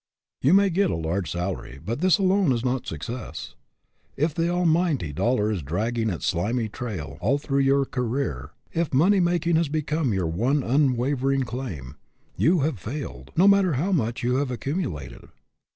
You may get a large salary, but this alone is not success. If the almighty dollar is dragging its slimy trail all through your career; if money making has become your one unwavering aim, you have failed, no matter how much you have accumulated.